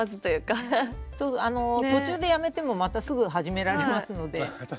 途中でやめてもまたすぐ始められますので。